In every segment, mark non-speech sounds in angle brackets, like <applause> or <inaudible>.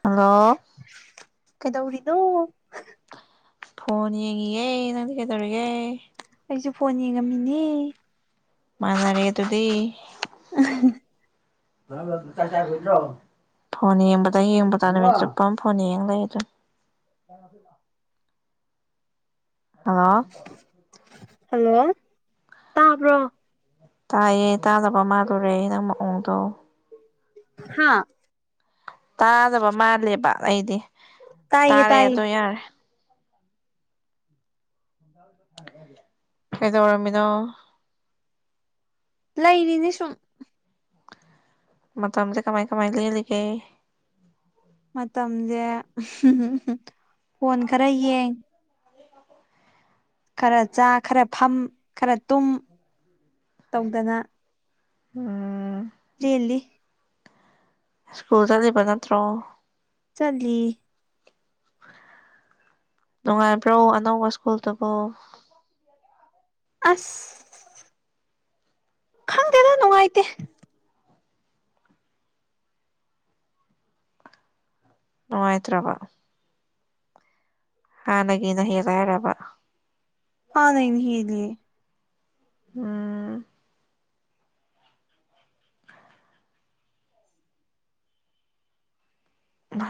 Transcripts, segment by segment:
Hello ꯀꯩꯗꯧꯔꯤꯅꯣ phone ꯌꯦꯡꯉꯤꯌꯦ ꯅꯪꯗꯤ ꯀꯩꯗꯧꯔꯤꯒꯦ ꯑꯩꯖꯨ ꯐꯣꯟ ꯌꯦꯡꯉꯝꯃꯤꯅꯦ ꯃꯅꯥꯔꯦ ꯑꯗꯨꯗꯤ ꯑ ꯑꯗꯣ ꯅꯪ ꯆꯥꯛ ꯆꯥꯈꯤꯗ꯭ꯔꯣ ꯐꯣꯟ ꯌꯦꯡꯕꯗ ꯌꯦꯡꯕꯗ ꯅꯨꯃꯤꯠ ꯆꯨꯞꯄ ꯑꯃ ꯐꯣꯟ ꯌꯦꯡ ꯂꯩ ꯑꯗꯨ <inaudible> ꯑꯥ ꯍꯜꯂꯣ ꯇꯕ꯭ꯔꯣ ꯇꯥꯏꯌꯦ ꯇꯥꯗꯕ ꯃꯥꯜꯗꯣꯔꯦ ꯅꯪ ꯃꯑꯣꯡꯗꯣ ꯍꯥꯥ ꯇꯥꯗꯕ ꯃꯥꯜꯂꯦꯕ ꯑꯩꯗꯤ ꯇꯥꯏꯌꯦ ꯇꯥꯔꯦ ꯇꯥꯏꯌꯦ ꯑꯗꯣ ꯌꯥꯔꯦ ꯀꯩꯗꯧꯔꯝꯃꯤꯅꯣ ꯂꯩꯔꯤꯅꯦ ꯁꯨꯝ ꯃꯇꯝꯖꯦ ꯀꯃꯥꯏ ꯀꯃꯥꯏ ꯂꯦꯜꯂꯤꯒꯦ ꯃꯇꯝꯁꯦ ꯐꯣꯟ ꯈꯔ ꯌꯦꯡ ꯈꯔ ꯆꯥ ꯈꯔ ꯐꯝ ꯈꯔ ꯇꯨꯝ ꯇꯧꯗꯅ ꯎꯝ ꯂꯦꯜꯂꯤ ꯁ꯭ꯀꯨꯜ ꯆꯠꯂꯤꯕ ꯅꯠꯇ꯭ꯔꯣ ꯆꯠꯂꯤ ꯅꯨꯡꯉꯥꯏꯕ꯭ꯔꯣ ꯑꯅꯧꯕ ꯁ꯭ꯀꯨꯜꯗꯨꯕꯨ ꯑꯁ ꯈꯪꯗꯦꯗ ꯅꯨꯡꯉꯥꯏꯇꯦ ꯅꯨꯡꯉꯥꯏꯇ꯭ꯔꯕ ꯍꯥꯟꯅꯒꯤꯅ ꯍꯦꯜꯂꯦ ꯍꯥꯏꯔꯕ ꯍꯥꯟꯅꯒꯤꯅ ꯍꯦꯜꯂꯦ ꯎꯝ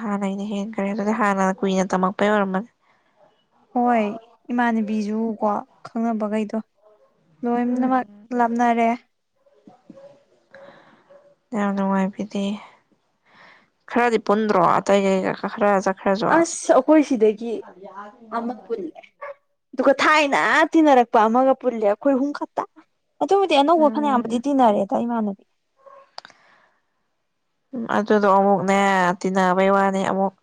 ꯍꯥꯟꯅꯩꯅ ꯍꯦꯟꯈ꯭ꯔꯦ ꯑꯗꯨꯗꯤ ꯍꯥꯟꯅ ꯀꯨꯏꯅ ꯇꯝꯃꯛꯄꯩ ꯑꯣꯏꯔꯝꯃꯅꯤ ꯍꯣꯏ ꯏꯃꯥꯟꯅꯕꯤꯁꯨ ꯀꯣ ꯈꯪꯅꯕꯈꯩꯗꯣ ꯂꯣꯏꯅꯃꯛ ꯎꯝ ꯂꯥꯞꯅꯔꯦ ꯌꯥꯝ ꯅꯨꯡꯉꯥꯏꯕꯤꯗꯤ ꯈꯔꯗꯤ ꯄꯨꯟꯗ꯭ꯔꯣ ꯑꯇꯩ ꯒꯩꯒ ꯈꯔ ꯆꯠ ꯑꯁ ꯑꯩꯈꯣꯏ ꯁꯤꯗꯒꯤ ꯑꯃ ꯄꯨꯜꯂꯦ ꯑꯗꯨꯒ ꯊꯥꯏꯅ ꯇꯤꯟꯅꯔꯛꯄ ꯑꯃꯒ ꯄꯨꯜꯂꯦ ꯑꯩꯈꯣꯏ ꯍꯨꯝ ꯈꯛꯇ ꯑꯗꯨꯕꯨꯗꯤ ꯑꯅꯧꯕ ꯐꯅꯌꯥꯝ ꯕꯨꯗꯤ ꯎꯝ ꯇꯤꯟꯅꯔꯦꯗ ꯏꯃꯥꯟꯅꯕꯤ <inaudible> ꯑꯗꯨꯗꯣ ꯑꯃꯨꯛꯅꯦ ꯇꯤꯟꯅꯕꯩ ꯋꯥꯅꯦ ꯑꯃꯨꯛ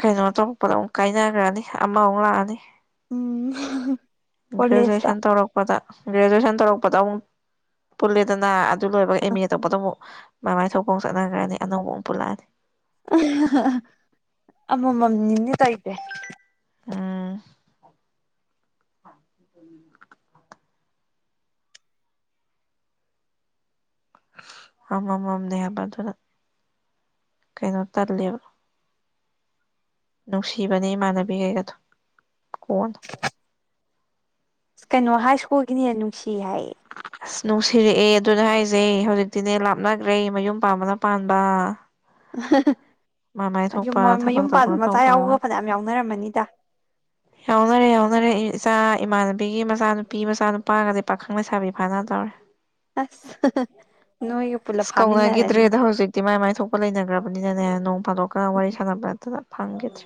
ꯀꯩꯅꯣ ꯇꯧꯔꯛꯄꯗꯣ ꯑꯃꯨꯛ ꯀꯥꯏꯅꯈ꯭ꯔꯅꯤ ꯑꯃꯃꯨꯛ ꯂꯥꯛꯑꯅꯤ ꯎꯝ ꯀꯣꯂꯦꯖꯇ ꯒ꯭ꯔꯦꯖꯨꯑꯦꯁꯟ ꯇꯧꯔꯛꯄꯗ ꯒ꯭ꯔꯦꯖꯨꯑꯦꯁꯟ ꯇꯧꯔꯛꯄꯗ ꯑꯃꯨꯛ ꯄꯨꯜꯂꯦꯗꯅ ꯑꯗꯨ ꯂꯣꯏꯔꯒ ꯑꯦꯝ ꯑꯦ ꯇꯧꯕꯗ ꯑꯃꯨꯛ ꯃꯃꯥꯏ ꯊꯣꯛꯄ ꯑꯃ ꯆꯠꯅꯈ꯭ꯔꯅꯤ ꯑꯅꯧꯕ ꯑꯃꯨꯛ ꯄꯨꯜꯂꯛꯑꯅꯤ ꯑꯃꯃꯝ ꯅꯤꯅꯦ ꯇꯩꯖꯦ ꯎꯝ <inaudible> ꯑꯃꯃꯝꯅꯦ ꯍꯥꯏꯕ ꯑꯗꯨꯅ ꯀꯩꯅꯣ ꯇꯜꯂꯦꯕ꯫ ꯅꯨꯡꯁꯤꯕꯅꯦ ꯏꯃꯥꯟꯅꯕꯤꯒꯩꯒꯗꯣ ꯀꯣꯟꯅ ꯁꯀꯩꯅꯣ ꯍꯥꯏ ꯁ꯭ꯀꯨꯜꯒꯤꯅ ꯍꯦꯟꯅ ꯅꯨꯡꯁꯤ ꯍꯥꯏꯌꯦ꯫ <inaudible> ꯑꯁ ꯅꯨꯡꯁꯤꯔꯛꯑꯦ ꯑꯗꯨꯅꯦ ꯍꯥꯏꯖꯦ ꯍꯧꯖꯤꯛꯇꯤꯅꯦ ꯂꯥꯞꯅꯒꯔ꯭ꯦ ꯃꯌꯨꯝ ꯄꯥꯝꯕꯅ ꯄꯥꯟꯕ꯫ ꯃꯃꯥꯏ ꯑꯌꯨꯝ ꯃ ꯊꯣꯛꯄ ꯃꯌꯨꯝ ꯊꯕꯛ ꯄꯥꯟꯕ ꯇꯧꯕꯅ ꯃꯆꯥ ꯇꯧꯕ ꯌꯥꯎꯕꯒ ꯐꯅꯌꯥꯝ ꯌꯥꯎꯅꯔꯝꯃꯅꯤꯗ꯫ ꯌꯥꯎꯅꯔꯦ ꯑꯦ ꯌꯥꯎꯅꯔꯦ ꯏꯆꯥ ꯏꯃꯥꯟꯅꯕꯤꯒꯤ ꯃꯆꯥꯅꯨꯄꯤ ꯃꯆꯥꯅꯨꯄꯥꯒꯗꯤ ꯄꯥꯈꯪ ꯂꯩꯁꯥꯕꯤ ꯐꯥꯅꯗꯧꯔꯦ ꯑꯁ ꯅꯣꯏꯒ ꯄꯨꯜꯂꯞ ꯐꯥꯃꯤꯟꯅꯔꯅꯤ ꯁꯀꯧꯅꯒꯤꯗ꯭ꯔꯦꯗ ꯍꯧꯖꯤꯛ ꯇꯤ ꯃꯥꯏ ꯃꯥꯏ ꯊꯣꯛꯄ ꯂꯩꯅꯒꯔ꯭ꯕꯅꯤꯅꯅꯦ ꯅꯣꯡ ꯐꯥꯗꯣꯛꯀ ꯋꯥꯔꯤ ꯁꯥꯟꯅꯕ ꯅꯠꯇꯅ ꯐꯪꯒꯤꯗ꯭ꯔꯦ꯫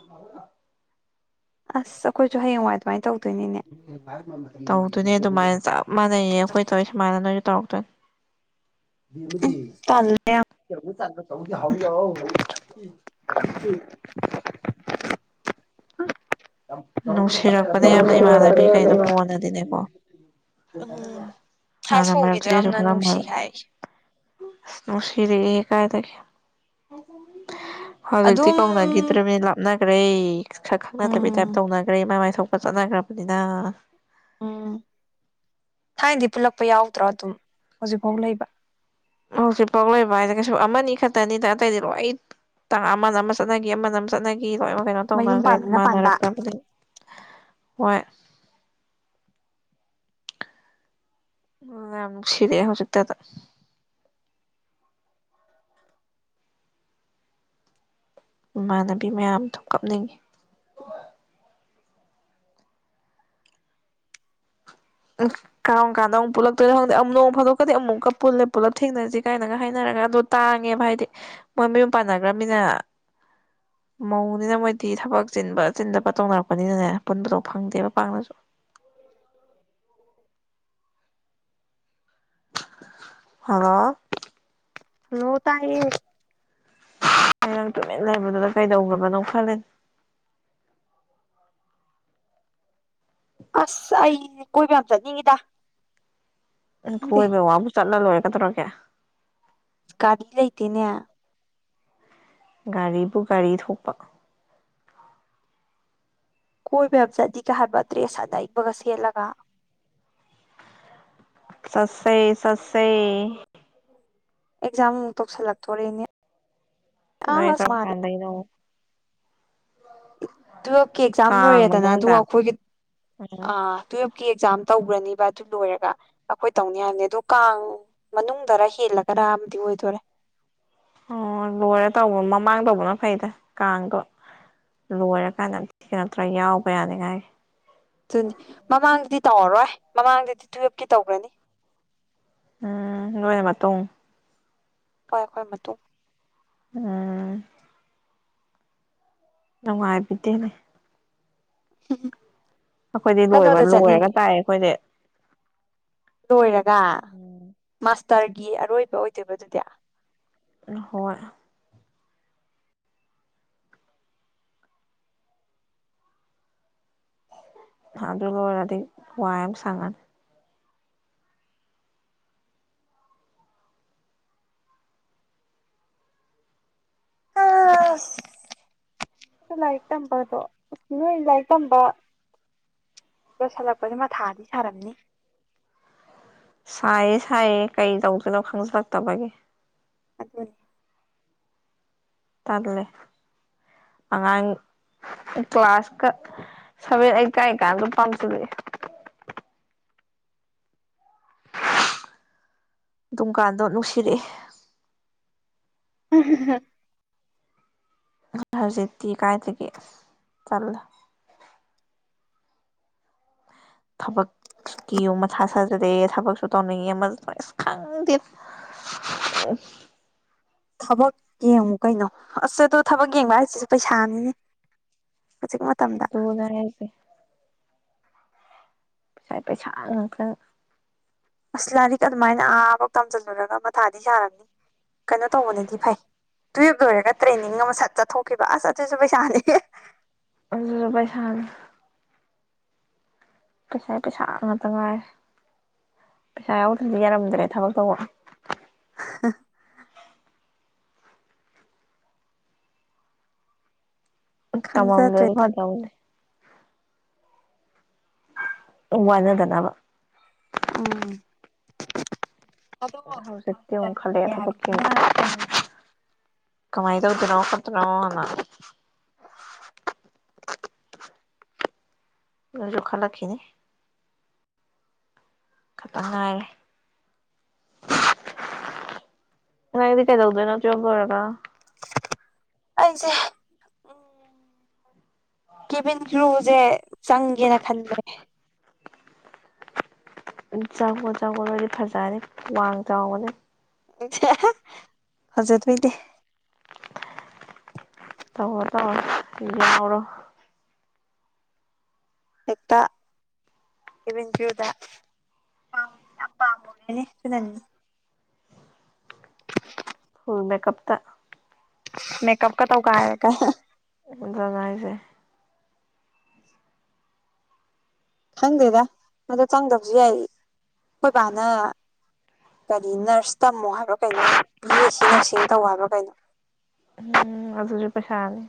ꯑꯁ ꯑꯩꯈꯣꯏꯖꯨ ꯍꯌꯦꯡꯋꯥꯏ ꯑꯗꯨꯃꯥꯏ ꯇꯧꯗꯣꯏꯅꯤꯅꯦ꯫ ꯇꯧꯗꯣꯏꯅꯦ ꯑꯗꯨꯃꯥꯏꯅ ꯆꯞ ꯃꯥꯟꯅꯩꯌꯦ ꯑꯩꯈꯣꯏ ꯇꯧꯋꯤ ꯁꯨꯃꯥꯏꯅ ꯅꯣꯏꯖꯨ ꯇꯧꯔꯛꯇꯣꯏꯅꯤ ꯇꯜꯂꯦ ꯌꯥꯝ <unintelligible> <inaudible> ꯅꯨꯡꯁꯤꯔꯛꯄꯅꯦ ꯌꯥꯝꯅ ꯏꯃꯥꯟꯅꯕꯤ ꯒꯩꯗꯣ ꯀꯣꯟꯅꯗꯤꯅꯦꯀꯣ꯫ ꯎꯝ ꯍꯥꯏ ꯍꯥꯟꯅ ꯁ꯭ꯀꯨꯜꯒꯤꯗꯣ ꯃꯔꯛꯇꯗꯤ ꯀꯩꯁꯨ ꯌꯥꯝꯅ ꯅꯨꯡꯁꯤ ꯈꯜꯂꯝꯃꯣꯏꯕ ꯫ ꯍꯥꯏ ꯁꯅꯨꯡꯁꯤꯔꯛꯑꯦ ꯀꯥꯏꯗꯒꯤ ꯍꯧꯖꯤꯛꯇꯤ ꯑꯗꯨꯝ ꯀꯧꯅꯒꯤꯗ꯭ꯔꯃꯤ ꯂꯥꯞꯅꯒꯔ꯭ꯦ ꯁꯛꯈ ꯎꯝ ꯇꯥꯏꯞ ꯇꯧꯅꯒꯔ꯭ꯦ ꯃꯥꯏ ꯃꯥꯏ ꯊꯣꯛꯄ ꯆꯠꯅꯒꯔ꯭ꯕꯅꯤꯅ꯫ ꯎꯝ ꯊꯥꯏꯅꯗꯤ ꯄꯨꯜꯂꯛꯄ ꯌꯥꯎꯗ꯭ꯔꯣ ꯑꯗꯨꯝ ꯍꯧꯖꯤꯛꯐꯥꯎ ꯂꯩꯕ꯫ ꯍꯧꯖꯤꯛ ꯄꯥꯎ ꯂꯩꯕ ꯍꯥꯏꯖꯦ ꯀꯩꯁꯨ ꯑꯃꯅꯤ ꯈꯇꯅꯤꯗ ꯑꯇꯩꯗꯤ ꯂꯣꯏ ꯇꯥꯡ ꯑꯃꯅ ꯑꯃ ꯆꯠꯅꯒꯤ ꯑꯃ ꯅꯝ ꯆꯠꯅ ꯃꯤ ꯂꯣꯏꯃꯛ ꯀꯩꯅꯣ ꯃꯌꯨꯝ ꯇꯧꯅꯒꯔ꯭ꯦ ꯄꯥꯟꯕꯅ ꯄꯥꯟꯕ ꯃꯥꯟꯅꯔꯛꯇꯕꯅꯤ ꯍꯣꯏ ꯎꯝ ꯌꯥꯝ ꯅꯨꯡꯁꯤꯔꯛꯑꯦ ꯍꯧꯖꯤꯛꯇꯗ ꯫ ꯏꯃꯥꯟꯅꯕꯤ ꯃꯌꯥꯝꯗꯣ ꯀꯞꯅꯤꯡꯏ ꯫ ꯎ ꯀꯔꯝ ꯀꯥꯟꯗ ꯑꯃꯨꯛ ꯄꯨꯂꯛꯇꯣꯏꯅꯣ ꯈꯪꯗꯦ ꯑꯝ ꯅꯣꯡ ꯐꯗꯣꯛꯀꯗꯤ ꯑꯃꯨꯛꯀ ꯄꯨꯜꯂꯦ ꯄꯨꯂꯞ ꯊꯦꯡꯅꯖꯤ ꯀꯥꯏꯅꯒ ꯍꯥꯏꯅꯔꯒ ꯑꯗꯣ꯫ ꯇꯥꯡꯉꯦꯕ ꯍꯥꯏꯗꯤ ꯃꯣꯏ ꯃꯌꯨꯝ ꯄꯥꯟꯅꯒꯔ꯭ꯃꯤꯅ ꯃꯧꯅꯤꯅ ꯃꯣꯏꯗꯤ ꯊꯕꯛ ꯆꯤꯟꯕ ꯆꯤꯟꯗꯕ ꯇꯧꯅꯔꯛꯄꯅꯤꯅꯅꯦ ꯄꯨꯟꯕꯗꯣ ꯐꯪꯗꯦꯕ ꯄꯥꯛꯅꯖꯨ <inaudible> ꯍꯜꯂꯣ ꯍꯜꯂꯣ ꯇꯥꯏꯌꯦ ꯑꯩ ꯅꯡ ꯇꯨꯃꯤꯟ ꯂꯩꯕꯗꯨꯗ ꯀꯩꯗꯧꯒꯔ꯭ꯕꯅꯣ ꯈꯜꯂꯤꯟ ꯑꯁ ꯑꯩ ꯀꯣꯏꯕ ꯌꯥꯝ ꯆꯠꯅꯤꯡꯉꯤꯗꯥ ꯏꯡ ꯀꯣꯏꯕꯩ ꯋꯥꯕꯨ ꯆꯠꯂ ꯂꯣꯏꯔꯦ ꯀꯩꯗꯧꯔꯒꯦ ꯀꯥꯔꯤ ꯂꯩꯇꯦꯅꯦ ꯒꯥꯔꯤꯕꯨ ꯒꯥꯔꯤ ꯊꯣꯛꯄ ꯀꯣꯏꯕ ꯌꯥꯝ ꯆꯠꯅꯤꯡꯉꯦ ꯍꯥꯏꯕ ꯗꯇ꯭ꯔꯦꯁ ꯑꯅꯩꯕꯒ ꯁꯦꯠꯂꯒ ꯆꯠꯁꯦ ꯆꯠꯁꯦ ꯑꯦꯛꯖꯥꯝ ꯃꯨꯛ ꯇꯧꯁꯜꯂꯛꯇꯣꯔꯦꯅꯦ ꯅꯣꯏ ꯑꯁ ꯀꯔꯝ ꯃꯥꯜꯂꯦ ꯀꯥꯟꯗꯩꯩꯅꯣ ꯇꯨꯋꯦꯜꯞꯀꯤ ꯑꯦꯛꯖꯥꯝ ꯀꯥꯡ ꯂꯣꯏꯔꯦꯗꯅ ꯑꯗꯨꯒ ꯃꯅꯨꯡꯗ ꯑꯩꯈꯣꯏꯒꯤ ꯎꯝ ꯑꯥ ꯇꯨꯋꯦꯞꯀꯤ ꯑꯦꯛꯖꯥꯝ ꯇꯧꯒꯔ꯭ꯅꯤꯕ ꯑꯗꯨ ꯂꯣꯏꯔꯒ ꯑꯩꯈꯣꯏ ꯇꯧꯅꯤ ꯍꯥꯏꯕꯅꯦ ꯑꯗꯣ ꯀꯥꯡ ꯃꯅꯨꯡꯗꯔ ꯍꯦꯜꯂꯒꯔ ꯑꯃꯗꯤ ꯑꯣꯏꯗꯣꯔꯦ ꯑꯣ ꯂꯣꯏꯔꯦ ꯇꯧꯕ ꯃꯃꯥꯡ ꯇꯧꯕꯅ ꯐꯩꯗ ꯀꯥꯡꯗꯣ ꯂꯣꯏꯔꯀꯥꯟꯗ ꯊꯦꯡ ꯅꯠꯇ꯭ꯔꯥ ꯌꯥꯎꯕ ꯌꯥꯅꯤꯉꯥꯏꯒꯤ ꯑꯗꯨꯅꯤ ꯃꯃꯥꯡꯗꯗꯤ ꯇꯧꯔꯔꯣꯏ ꯃꯃꯥꯡꯗꯗꯤ ꯇꯨꯌꯦꯜꯞꯀꯤ ꯇꯧꯒ꯭ꯔꯅꯤ ꯎꯝ ꯅꯣꯏꯅ ꯃꯇꯨꯡ ꯍꯣꯏ ꯑꯈꯣꯏ ꯃꯇꯨꯡ ꯎꯝ ꯅꯨꯡꯉꯥꯏꯕꯤꯗꯦ ꯅꯦ ꯎꯝ <unintelligible> ꯑꯩꯈꯣꯏꯗꯤ ꯂꯣꯏꯕ ꯂꯣꯏꯔꯒ ꯇꯥꯏꯌꯦ ꯑꯩꯈꯣꯏꯗꯤ ꯂꯣꯏꯔꯒ ꯎꯝ ꯃꯥꯁꯇꯔꯒꯤ ꯑꯔꯣꯏꯕ ꯑꯣꯏꯗꯣꯏꯕꯗꯨꯗꯤ ꯍꯣꯏ ꯊꯥ ꯑꯗꯨ ꯂꯣꯏꯔꯗꯤ ꯋꯥꯏ ꯌꯥꯝ ꯁꯪꯉꯅꯤ ꯑꯁ ꯅꯣꯢ ꯂꯥꯏꯔꯤꯛ ꯇꯝꯕꯗꯣ ꯅꯣꯏ ꯂꯥꯏꯔꯤꯛ ꯇꯝꯕ ꯆꯣꯠꯁꯜꯂꯛꯄꯁꯦ ꯃꯥꯊꯥꯗꯤ ꯁꯥꯔꯝꯅꯤ ꯁꯥꯏꯌꯦ ꯁꯥꯏꯌꯦ ꯀꯩ ꯇꯧꯗꯣꯢꯅꯣ ꯈꯪꯖꯂꯛꯇꯕꯒꯤ ꯑꯗꯨꯅꯤ ꯇꯜꯂꯦ ꯑꯉꯥꯡ ꯀ꯭ꯂꯥꯁꯀ ꯁꯚꯦꯟ ꯑꯩꯠ ꯀꯥꯏ ꯀꯥꯟꯗ ꯄꯥꯝꯁꯤꯂꯛꯑꯦ <unintelligible> ꯑꯗꯨꯝꯀꯥꯟꯗꯣ ꯅꯨꯡꯁꯤꯔꯛꯑꯦ <unintelligible> ꯍꯧꯖꯤꯛꯇꯤ ꯀꯥꯏꯗꯒꯤ ꯇꯜꯂꯦ ꯊꯕꯛ ꯀꯤ ꯌꯨ ꯃꯊꯥ ꯁꯥꯖꯤꯂꯛꯑꯦ ꯊꯕꯛꯁꯨ ꯇꯧꯅꯤꯡꯉꯦ ꯑꯃꯁꯨ ꯑꯁ ꯈꯪꯗꯦꯗ <unintelligible> ꯊꯕꯛ ꯌꯦꯡꯉꯨ ꯀꯩꯅꯣ ꯑꯁ ꯑꯗꯨ ꯊꯕꯛ ꯌꯦꯡꯕ ꯍꯥꯏꯁꯤꯁꯨ ꯄꯩꯁꯥꯅꯤꯅꯦ ꯍꯧꯖꯤꯛ ꯃꯇꯝꯗ ꯗꯨꯅꯦ ꯍꯥꯏꯖꯦ ꯄꯁꯥꯏ ꯄꯩꯁꯥ ꯉꯥꯛꯇꯪ ꯑꯁ ꯂꯥꯏꯔꯤꯛ ꯑꯗꯨꯃꯥꯏꯅ ꯑꯥꯕꯧ ꯇꯝꯁꯤꯜꯂꯨꯔꯒ ꯃꯊꯥꯗꯤ ꯁꯥꯔꯝꯅꯤ ꯀꯩꯅꯣ ꯇꯧꯕꯅꯗꯤ ꯐꯩ ꯇꯨꯌꯦꯞ ꯂꯣꯏꯔꯒ ꯇ꯭ꯔꯦꯅꯤꯡ ꯑꯃ ꯁꯠ ꯆꯠꯊꯣꯛꯈꯤꯕ ꯑꯁ ꯑꯗꯨꯁꯨ ꯄꯩꯁꯥꯅꯤꯅꯦ ꯑꯗꯨꯖꯨ ꯄꯩꯁꯥꯅꯦ ꯄꯩꯁꯥ ꯄꯩꯁꯥ ꯉꯥꯛꯇ ꯉꯥꯏꯔꯦ ꯄꯩꯁꯥ ꯌꯥꯎꯗ꯭ꯔꯗꯤ ꯌꯥꯔꯝꯗ꯭ꯔꯦ ꯊꯕꯛ ꯇꯧꯕ <unintelligible> ꯇꯃꯝꯗ꯭ꯔꯗꯤ ꯈꯪꯖꯗ꯭ꯔꯦꯗ ꯐꯗꯧꯅꯤ ꯎꯝ ꯋꯥꯖꯗꯅꯕ ꯎꯝ ꯑꯗꯣ ꯍꯧꯖꯤꯛꯇꯤ ꯑꯃꯨꯛ ꯃꯥꯁꯇꯔ ꯂꯣꯏꯔꯦ ꯈꯜꯂꯛꯑꯦ ꯍꯥꯏꯕꯗꯨꯅ ꯀꯩꯅꯣꯗꯤ ꯊꯕꯛꯀꯤ ꯀꯃꯥꯏ ꯇꯧꯗꯣꯢꯅꯣ ꯈꯣꯠꯇꯣꯏꯅꯣꯅ ꯅꯣꯏꯖꯨ ꯈꯜꯂꯛꯈꯤꯅꯤ ꯈꯇꯪ ꯉꯥꯏꯔꯦ <inaudible> ꯅꯪꯗꯤ ꯀꯩꯗꯧꯗꯣꯏꯅꯣ ꯇꯨꯋꯦꯞ ꯂꯣꯏꯔꯒ <inaudible> ꯑꯩꯖꯦ ꯎꯝ ꯀꯦꯕꯤꯟ ꯀꯔꯤꯎꯖꯦ ꯆꯪꯒꯦꯅ ꯈꯟꯕꯅꯦ ꯆꯪꯉꯣ ꯆꯪꯉꯣ ꯅꯣꯏꯗꯤ ꯐꯖꯅꯤ ꯋꯥꯡ ꯆꯥꯎꯕꯅꯤ <unintelligible> ꯐꯖꯗꯣꯏꯅꯦ ꯇꯧꯔꯣ ꯇꯧꯔꯣ ꯌꯥꯎꯍꯧꯔꯣ ꯍꯦꯛꯇꯥ ꯀꯦꯕꯤꯟ ꯀ꯭ꯔꯨꯗꯥ ꯄꯥꯝ ꯌꯥꯝ ꯄꯥꯝꯃꯨꯔꯦꯅꯦ ꯑꯗꯨꯅꯅꯤ ꯐꯨꯜ ꯃꯦꯀꯞꯇꯥ ꯃꯦꯀꯞ ꯀꯥ ꯇꯧꯒꯥꯏꯔꯥꯒ ꯑꯗꯨꯅꯦ ꯍꯥꯏꯖꯦ ꯈꯪꯗꯦꯗ ꯑꯗꯣ ꯆꯪꯗꯕꯁꯨ ꯌꯥꯏ ꯈꯣꯏ ꯕꯥꯅ ꯀꯔꯤ ꯅꯔꯁ ꯇꯝꯃꯣ ꯍꯥꯏꯕ꯭ꯔꯥ ꯀꯩꯅꯣ ꯕꯤ ꯑꯦ ꯁꯤ ꯅꯔꯁꯤꯡ ꯇꯧ ꯍꯥꯏꯕ꯭ꯔꯥ ꯀꯩꯅꯣ ꯍꯝ ꯑꯗꯨꯖꯨ ꯄꯩꯁꯥꯅꯤ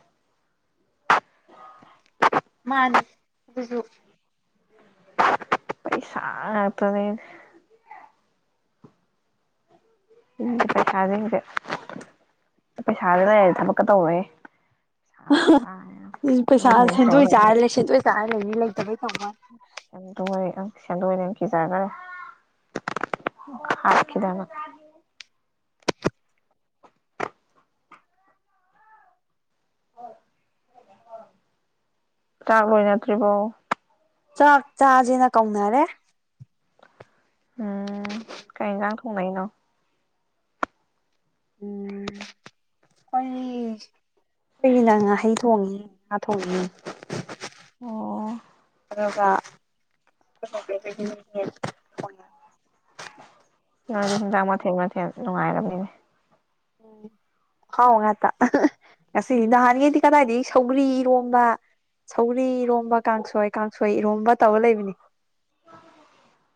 ꯃꯥꯅꯤ ꯑꯗꯨꯖꯨ ꯄꯩꯁꯥ ꯉꯥꯛꯇꯥꯅꯦ <unintelligible> ꯄꯩꯁꯥꯖꯤꯡꯖꯦ ꯄꯩꯁꯥꯗꯣ ꯂꯩꯔꯗꯤ ꯊꯕꯛꯀꯥ ꯇꯧꯔꯦꯍꯦ ꯄꯩꯁꯥ ꯃꯌꯥꯝ <unintelligible> ꯕꯤꯖꯤꯅꯦꯁ ꯇꯧꯔꯥ ꯂꯩꯅꯤ ꯁꯤꯟꯗꯣꯏ ꯆꯥꯔ ꯂꯩꯅꯤ ꯂꯩꯇꯕꯩ ꯇꯧꯃꯦ ꯁꯦꯟꯗꯣꯏ ꯑꯪ ꯁꯦꯟꯗꯣꯏꯅ ꯍꯦꯟꯅ ꯀꯤꯖꯒꯥꯔꯦ <unintelligible> ꯍꯥꯠꯈꯤꯗꯅ <inaudible> ꯆꯥꯛ ꯂꯣꯏꯅꯗꯔꯤꯕꯣ ꯆꯥꯛ ꯆꯥꯖꯦꯅ ꯀꯧꯅꯔꯦ ꯎꯝ ꯀꯩ ꯏꯟꯖꯥꯡ ꯊꯣꯡꯅꯩꯅꯣ <inaudible> ꯑꯩ ꯈꯣꯏꯒꯤꯅ ꯉꯥꯍꯩ ꯊꯣꯡꯉꯤ ꯉꯥ ꯊꯣꯡꯉꯤ ꯑꯣ ꯑꯗꯨꯒꯥ ꯑꯈꯣꯏ ꯕꯆꯧꯍꯣꯏꯒꯤꯅ ꯌꯦꯟ ꯊꯣꯡꯉꯦ ꯅꯣꯏꯗꯤ ꯍꯤꯟꯖꯥꯡ ꯃꯊꯦꯡ ꯃꯊꯦꯡ ꯅꯨꯡꯉꯥꯏꯔꯝꯅꯤꯅꯦ ꯎꯝ ꯊꯥꯎ ꯉꯥꯛꯇꯥ ꯉꯁꯤꯗꯤ ꯅꯍꯥꯟꯒꯩꯗꯤ ꯀꯗꯥꯏꯗꯩ ꯁꯧꯒ꯭ꯔꯤ ꯏꯔꯣꯝꯕ ꯁꯧꯔꯤ ꯏꯔꯣꯝꯕ ꯀꯥꯡꯁꯣꯏ ꯀꯥꯡꯁꯣꯏ ꯏꯔꯣꯝꯕ ꯇꯧꯔꯥ ꯂꯩꯕꯤꯅꯤ <inaudible>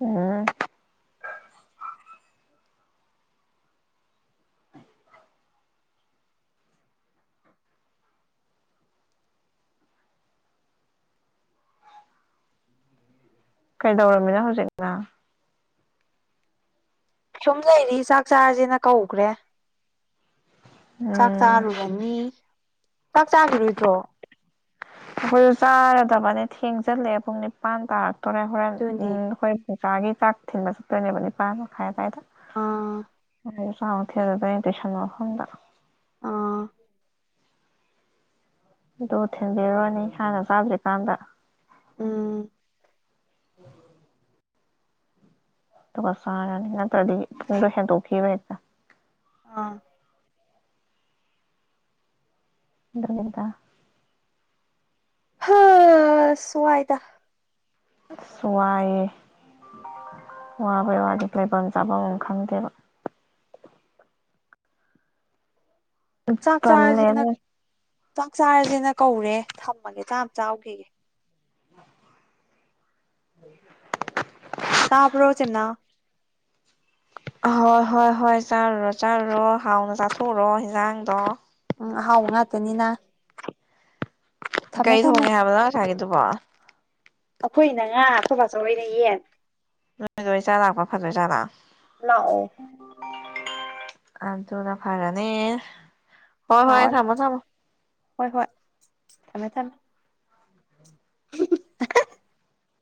ꯎꯝ ꯀꯩꯗꯧꯔꯝꯃꯤꯅꯣ ꯍꯧꯖꯤꯛ ꯅꯪ ꯁꯨꯝ ꯂꯩꯔꯤ ꯆꯥꯛ ꯆꯥꯔꯖꯦꯅ ꯀꯧꯒ꯭ꯔꯦ ꯆꯥꯛ ꯎꯝ ꯆꯥꯔꯨꯔꯅꯤ ꯆꯥꯛ ꯆꯥꯒꯤꯔꯣꯏꯗ꯭ꯔꯣ ꯑꯈꯣꯏꯖꯨ ꯆꯥꯔꯗꯕꯅꯦ ꯊꯦꯡꯖꯤꯜꯂꯛꯑꯦ ꯄꯨꯡ ꯅꯤꯄꯥꯟ ꯇꯥꯔꯛꯇꯣꯔꯦ ꯍꯣꯔꯦꯟ ꯑꯗꯨꯅꯦ ꯎꯝ ꯍꯣꯏ ꯄꯨꯡꯆꯥꯒꯤ ꯆꯥꯛ ꯊꯤꯟꯕ ꯆꯠꯇꯣꯏꯅꯦꯕ ꯅꯤꯄꯥꯥꯟ ꯃꯈꯥꯏ ꯑꯗꯥꯏꯗ ꯑꯥ ꯅꯣꯏꯖꯨ ꯆꯥꯎ ꯊꯤꯟꯂꯨꯗꯣꯏꯅꯤ ꯇꯨꯏꯁꯟ ꯃꯐꯝꯗ ꯑꯥ ꯑꯗꯨ ꯊꯤꯟꯕꯤꯔꯨꯔꯅꯤ ꯍꯥꯟꯅ ꯆꯥꯗ꯭ꯔꯤꯀꯥꯟꯗ ꯎꯝ ꯗꯨꯒꯥ ꯆꯔꯅꯤ ꯅꯠꯇꯔ꯭ꯥꯗꯤ ꯄꯨꯡꯗꯨ ꯍꯦꯟꯗꯣꯛꯈꯤꯕ ꯍꯦꯛꯇꯥ ꯑꯥ ꯑꯗꯨꯅꯤꯗꯥ ꯍꯥꯁ ꯋꯥꯏꯗꯥ ꯑꯁ ꯋꯥꯏꯌꯦ ꯋꯥꯕꯩ ꯋꯥꯗꯤ ꯂꯩꯕꯝ ꯆꯥꯕꯝ ꯑꯝ ꯈꯪꯗꯦꯕ ꯆꯥꯛ ꯆꯥꯔꯖꯦꯅ ꯇꯜꯂꯦꯅꯦ ꯆꯥꯛ ꯆꯥꯔꯖꯦꯅ ꯀꯧꯔꯦ ꯊꯝꯃꯒꯦ ꯆꯥ ꯑꯝ ꯆꯥꯎꯒꯤꯒꯦ <inaudible> ꯇꯥꯕ꯭ꯔꯣ ꯆꯦꯝꯅꯥꯎ ꯑꯥ ꯍꯣꯏ ꯍꯣꯏ ꯍꯣꯏ ꯆꯥꯔꯨꯔꯣ ꯆꯥꯔꯨꯔꯣ ꯍꯥꯎꯅ ꯆꯥꯊꯣꯛꯔꯣ ꯍꯦꯟꯖꯥꯡꯗꯣ ꯎꯝ ꯑꯍꯥꯎꯕ ꯉꯥꯛꯇꯅꯤꯅ ꯊꯝꯃꯦ ꯀꯩ ꯊꯝꯃꯦ ꯊꯣꯡꯉꯦ ꯍꯥꯏꯕ ꯅꯪ ꯉꯥꯁꯥꯏꯒꯤꯗꯨꯕꯣ ꯑꯩꯈꯣꯏꯅ ꯉꯥ ꯑꯩꯈꯣꯏ ꯃꯆꯧꯍꯣꯏꯅ ꯌꯦꯟ ꯅꯣꯏꯗ ꯑꯣꯏ ꯆꯥꯕ ꯂꯥꯛꯄꯅ ꯐꯗꯣꯏꯖꯥꯠꯂ ꯂꯥꯛꯑꯣ ꯑꯗꯨꯅ ꯐꯥꯔꯅꯤ ꯂꯥꯛꯑꯣ ꯂꯥꯎ ꯍꯣꯏ ꯍꯣꯏ ꯊꯝꯃꯦ ꯊꯝꯃꯦ ꯍꯤꯍꯤꯍ ꯑꯍꯥ